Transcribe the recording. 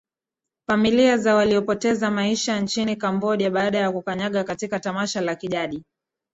familia za waliopoteza maisha nchini cambodia baada ya kukanyagana katika tamasha la kijadi